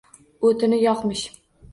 O‘tini yo‘qmish.